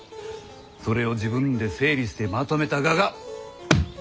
それを自分で整理してまとめたががこの本じゃ。